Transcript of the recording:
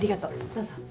どうぞ。